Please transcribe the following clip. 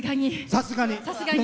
さすがに。